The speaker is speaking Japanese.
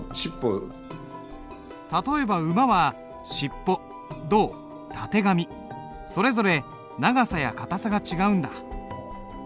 例えば馬は尻尾胴たてがみそれぞれ長さや硬さが違うんだ。